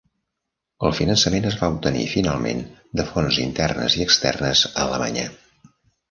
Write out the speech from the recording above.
El finançament es va obtenir finalment de fonts internes i externes a Alemanya.